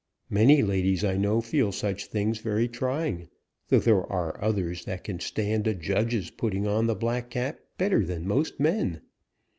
Many ladies I know feel such things very trying, though there are others that can stand a judge's putting on the black cap better than most men.